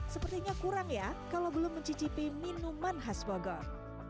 sepertinya kurang ya kalau belum mencicipi minuman khas bogor